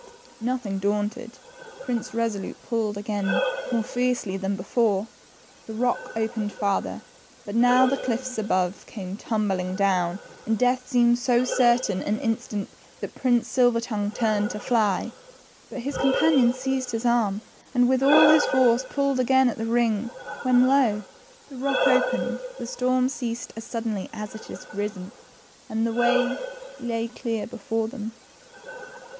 Nothing daunted. Prince Kesolute pulled again, more fiercely than before ; the rock opened farther, but now the cliffs above came tumbling down, and death seemed so certain and instant that Prince Silver tongue turned to fly. But his companion seized his arm, and with all his force pulled again at the ring, when lo, the rock opened, the storm ceased as suddenly as it had risen, and the way lay clear before them.